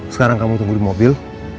sekarang kamu tunggu di mobil